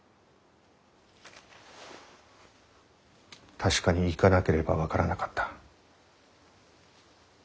確かに行かなければ分からなかった。